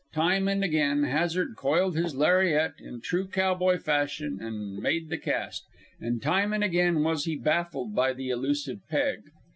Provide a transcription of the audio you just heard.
Time and again Hazard coiled his lariat in true cowboy fashion and made the cast, and time and again was he baffled by the elusive peg.